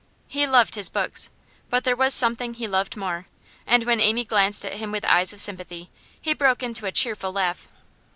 He loved his books, but there was something he loved more, and when Amy glanced at him with eyes of sympathy he broke into a cheerful laugh.